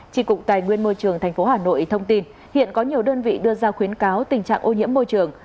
chỉ cục tài nguyên môi trường thành phố hà nội thông tin hiện có nhiều đơn vị đưa ra khuyến cáo tình trạng ô nhiễm môi trường